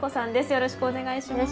よろしくお願いします。